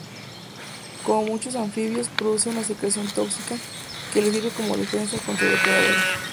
Como muchos anfibios, produce una secreción tóxica que le sirve como defensa contra depredadores.